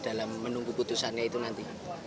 dalam menunggu putusannya itu nanti